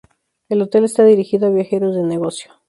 El hotel está dirigido a viajeros de negocio.